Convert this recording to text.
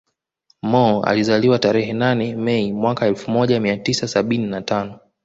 Mo alizaliwa tarehe nane Mei mwaka elfu moja mia tisa sabini na tano